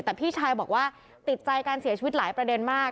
แต่พี่ชายบอกว่าติดใจการเสียชีวิตหลายประเด็นมาก